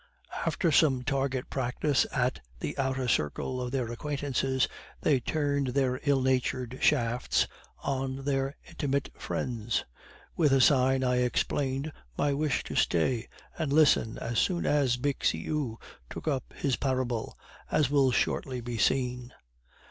After some target practice at the outer circle of their acquaintances, they turned their ill natured shafts at their intimate friends. With a sign I explained my wish to stay and listen as soon as Bixiou took up his parable, as will shortly be seen.